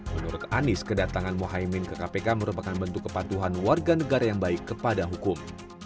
menurut anies kedatangan mohaimin ke kpk merupakan bentuk kepatuhan warga negara yang baik kepada hukum